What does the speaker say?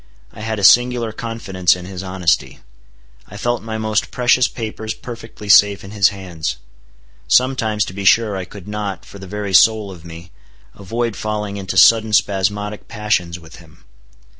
I had a singular confidence in his honesty. I felt my most precious papers perfectly safe in his hands. Sometimes to be sure I could not, for the very soul of me, avoid falling into sudden spasmodic passions with him.